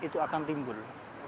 itu akan timbul